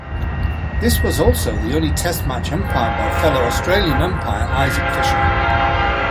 This was also the only Test match umpired by fellow Australian umpire Isaac Fisher.